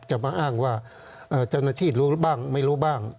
จะมาอ้างว่าเจ้าหน้าที่รู้บ้างไม่รู้บ้าง